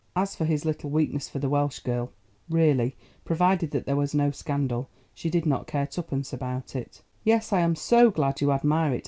As for his little weakness for the Welsh girl, really, provided that there was no scandal, she did not care twopence about it. "Yes, I am so glad you admire it.